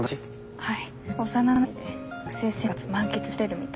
はい。